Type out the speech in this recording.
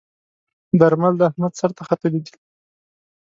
درمل د احمد سر ته ختلي ديی.